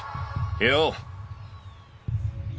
よう。